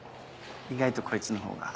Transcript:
意外とこいつの方が。